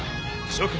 諸君。